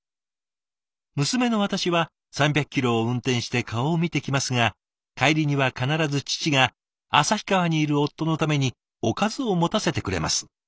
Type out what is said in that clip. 娘の私は３００キロを運転して顔を見て来ますが帰りには必ず父が旭川にいる夫の為におかずを持たせてくれます。